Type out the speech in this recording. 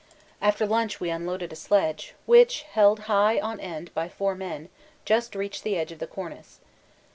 After lunch we unloaded a sledge, which, held high on end by four men, just reached the edge of the cornice.